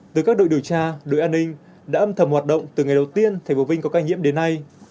từ các đội điều tra đội an ninh đã âm thầm hoạt động từ ngày đầu tiên tp vinh có ca nhiễm đến nay